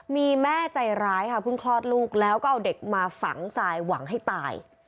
มีแม่ใจร้ายค่ะเพิ่งคลอดลูกแล้วก็เอาเด็กมาฝังทรายหวังให้ตาย